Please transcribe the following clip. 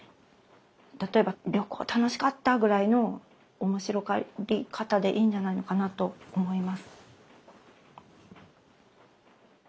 例えば「旅行楽しかった」ぐらいの面白がり方でいいんじゃないのかなと思います。